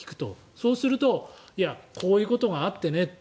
そうするとこういうことがあってねと。